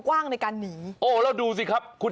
วิ่งแบบพี่ตูนวิ่ง